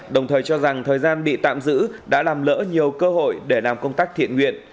đồng thời cho rằng thời gian bị tạm giữ đã làm lỡ nhiều cơ hội để làm công tác thiện nguyện